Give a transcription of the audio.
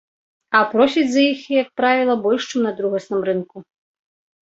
А просяць за іх, як правіла, больш, чым на другасным рынку.